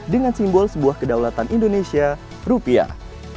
dengan simbol sebuah kedaulatan indonesia rupiah